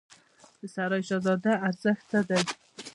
د سرای شهزاده ارزښت څه دی؟